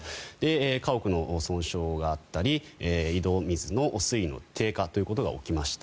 家屋の損傷があったり井戸水の水位の低下ということが起きました。